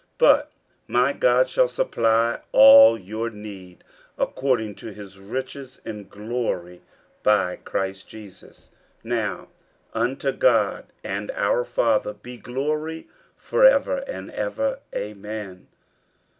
50:004:019 But my God shall supply all your need according to his riches in glory by Christ Jesus. 50:004:020 Now unto God and our Father be glory for ever and ever. Amen.